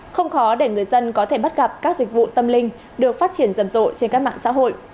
không khó để người dân có thể bắt gặp các dịch vụ tâm linh được phát triển rầm rộ trên các mạng xã hội